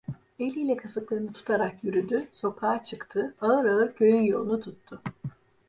Eliyle kasıklarını tutarak yürüdü, sokağa çıktı, ağır ağır köyün yolunu tuttu.